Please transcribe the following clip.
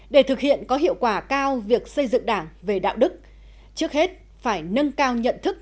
để thực hiện có hiệu quả cao việc xây dựng đảng về đạo đức trước hết phải nâng cao nhận thức